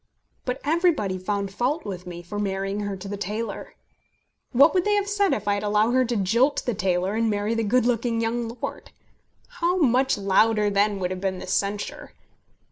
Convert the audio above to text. But everybody found fault with me for marrying her to the tailor. What would they have said if I had allowed her to jilt the tailor and marry the good looking young lord? How much louder, then, would have been the censure!